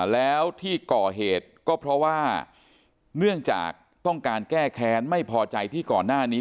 แล้วที่ก่อเหตุก็เพราะว่าเนื่องจากต้องการแก้แค้นไม่พอใจที่ก่อนหน้านี้